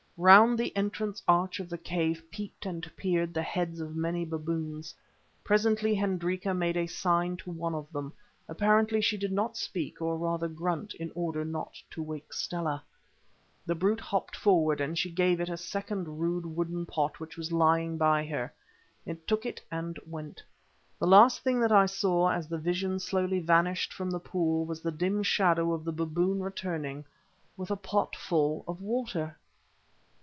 Round the entrance arch of the cave peeped and peered the heads of many baboons. Presently Hendrika made a sign to one of them; apparently she did not speak, or rather grunt, in order not to wake Stella. The brute hopped forward, and she gave it a second rude wooden pot which was lying by her. It took it and went. The last thing that I saw, as the vision slowly vanished from the pool, was the dim shadow of the baboon returning with the pot full of water.